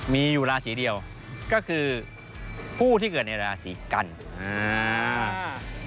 มีอยู่ราศีเดียวก็คือผู้ที่เกิดในราศีกันอ่า